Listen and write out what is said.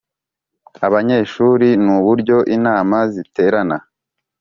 Abanyeshuri n uburyo inama ziterana